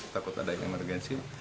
takut ada emergensi